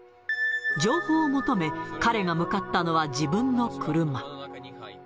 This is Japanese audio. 情報を求め、彼が向かったのは自分の車。